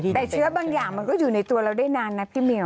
แต่เชื้อบางอย่างมันก็อยู่ในตัวเราได้นานนะพี่มิว